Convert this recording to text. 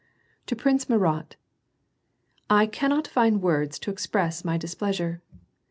To Prihcb Murat: I cannot find words to express my displeasure.